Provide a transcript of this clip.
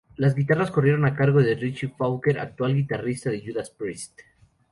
Las guitarras corrieron a cargo de Richie Faulkner, actual guitarrista de Judas Priest.